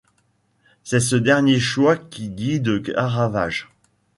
C'est ce dernier choix qui guide Caravage.